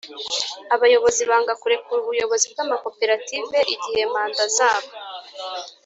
Abayobozi banga kurekura ubuyobozi bw amakoperative igihe manda zabo